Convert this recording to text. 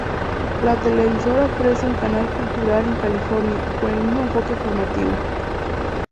La televisora ofrece un canal cultural en California, con el mismo enfoque formativo.